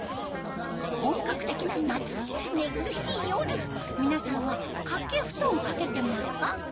本格的な夏寝苦しい夜皆さんは掛けふとん掛けてますか？